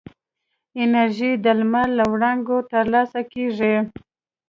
انرژي د لمر له وړانګو ترلاسه کېږي.